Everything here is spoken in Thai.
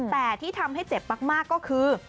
แต่ที่ทำให้เจ็บมากก็คือ